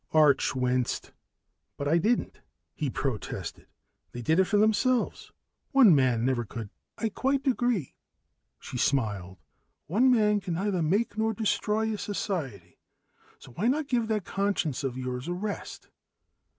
Arch winced. "But I didn't!" he protested. "They did it for themselves. One man never could " "I quite agree," she smiled. "One man can neither make nor destroy a society. So why not give that conscience of yours a rest?"